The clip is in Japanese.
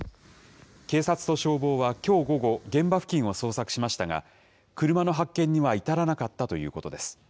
警察と消防はきょう午後、現場付近を捜索しましたが、車の発見には至らなかったということです。